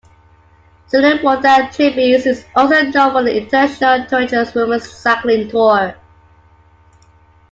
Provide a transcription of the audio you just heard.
Zeulenroda-Triebes is also known for the International Thuringia Women's Cycling Tour.